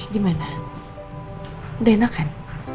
gimana udah enak kan